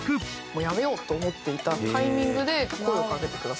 もうやめようと思っていたタイミングで声をかけてくださって。